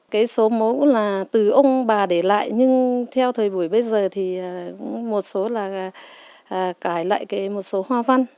cái số mẫu là từ ông bà để lại nhưng theo thời buổi bây giờ thì một số là cải lại một số hoa văn